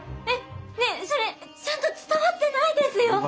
えっねえそれちゃんと伝わってないですよ！